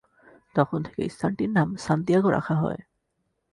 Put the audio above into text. তখন থেকে স্থানটির নাম সান্তিয়াগো রাখা হয়।